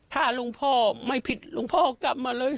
ถ้าหลวงพ่อไม่ผิดหลวงพ่อกลับมาเลย